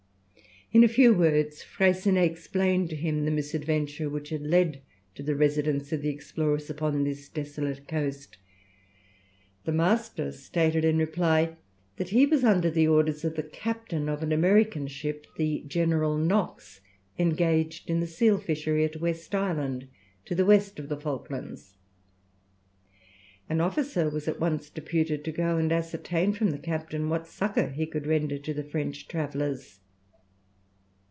In a few words Freycinet explained to him the misadventure which had led to the residence of the explorers upon this desolate coast. The master stated in reply that he was under the orders of the captain of an American ship, the General Knox, engaged in the seal fishery at West Island, to the west of the Falklands. An officer was at once deputed to go and ascertain from the captain what succour he could render to the French travellers.